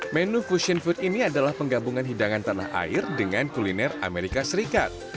menu fusion food ini adalah penggabungan hidangan tanah air dengan kuliner amerika serikat